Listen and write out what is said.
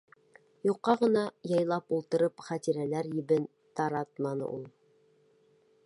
Юҡҡа ғына яйлап ултырып хәтирәләр ебен таратманы ул.